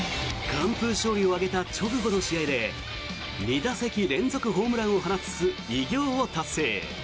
完封勝利を挙げた直後の試合で２打席連続ホームランを放つ偉業を達成。